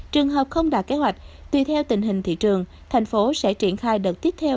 trường hợp không đạt kế hoạch tùy theo tình hình thị trường thành phố sẽ triển khai đợt tiếp theo